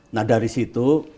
nah dari situ